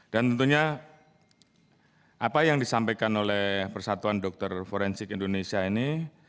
dan tentunya apa yang disampaikan oleh persatuan dokter forensik indonesia ini